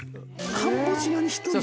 カンボジアに１人で？